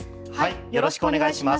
よろしくお願いします。